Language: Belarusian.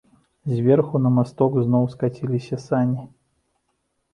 Зверху на масток зноў скаціліся сані.